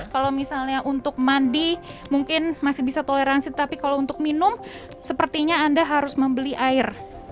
kalau misalnya untuk mandi mungkin masih bisa toleransi tapi kalau untuk minum sepertinya anda harus membeli air